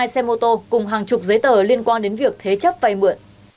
hai xe mô tô cùng hàng chục giấy tờ liên quan đến việc thế chấp vay mượn